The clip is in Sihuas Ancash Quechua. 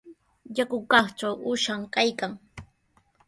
Yakukaqtraw uushan kaykan.